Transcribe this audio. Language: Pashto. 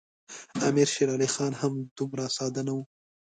امیر شېر علي خان هم دومره ساده نه وو.